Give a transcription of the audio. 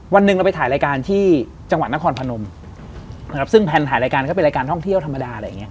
วันหนึ่งเราไปถ่ายรายการที่จังหวัดนครพนมซึ่งแผนถ่ายรายการก็เป็นรายการท่องเที่ยวธรรมดา